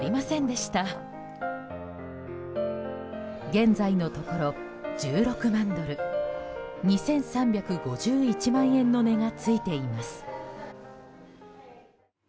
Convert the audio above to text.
現在のところ１６万ドル２３５１万円の値が付いています。